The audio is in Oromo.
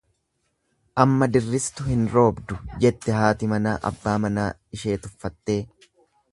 Amma dirristu hin roobdu jette haati manaa abbaa manaa ishee tuffattee.